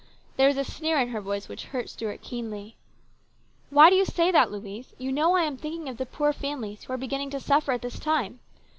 There was a sneer in her voice which hurt Stuart keenly. " Why do you say that, Louise ? You know I am thinking of the poor families who are beginning to suffer at this time.